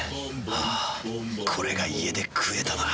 あぁこれが家で食えたなら。